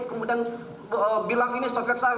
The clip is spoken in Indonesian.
kemudian bilang ini software saya